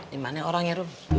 dimana orang ya rom